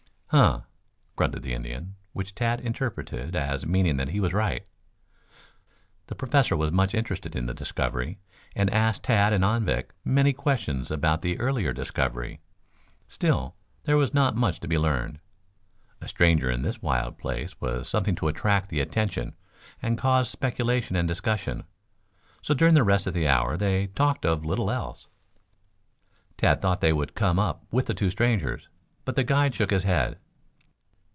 "Huh!" grunted the Indian, which Tad interpreted as meaning that he was right. The Professor was much interested in the discovery, and asked Tad and Anvik many questions about the earlier discovery. Still, there was not much to be learned. A stranger in this wild place was something to attract the attention and cause speculation and discussion, so during the rest hour they talked of little else. Tad thought they would come up with the two strangers, but the guide shook his head.